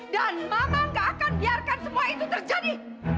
dan mama gak akan biarkan semua itu terjadi